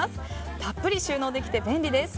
たっぷり収納できて便利です。